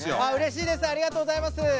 あっうれしいです。